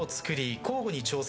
交互に挑戦。